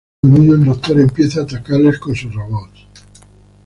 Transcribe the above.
Con ello el doctor empieza a atacarles con sus robots.